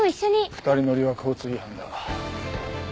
２人乗りは交通違反だ。